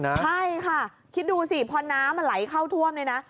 ใช่ค่ะคิดดูสิพอน้ำมันไหลเข้าท่วมเนี่ยนะ